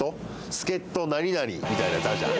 助っ人何々みたいなやつあるじゃん。